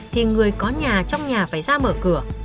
thì người có nhà trong nhà phải ra mở cửa